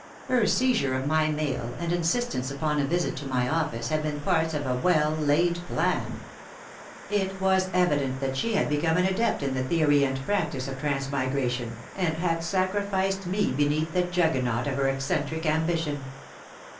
Her seizure of my mail and insistence upon a visit to my office had been parts of a well laid plan. It was evident that she had become an adept in the theory and practice of transmigration, and had sacrificed me beneath the Juggernaut of her eccentric ambition.